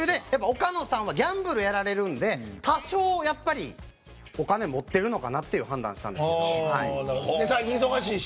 岡野さんはギャンブルやられるので多少、お金を持っているのかなと最近、忙しいし？